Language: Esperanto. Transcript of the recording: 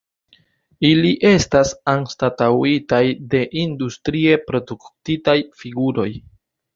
Ili estas anstataŭitaj de industrie produktitaj figuroj.